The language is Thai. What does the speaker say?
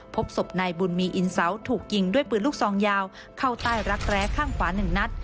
พบศพนายบุญมีอินเสาถูกยิงด้วยปืนลูกซองยาวเข้าใต้รักแร้ข้างขวา๑นัด